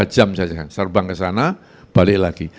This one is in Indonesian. tiga jam saja serbang ke sana balik lagi